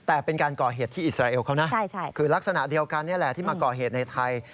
แต่เป็นการก่อเหตุที่อิสราเอลเขานะคือลักษณะเดียวกันนี่แหละที่มาก่อเหตุในไทย